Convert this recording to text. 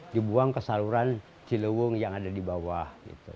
dibuang ke saluran ciliwung yang ada di bawah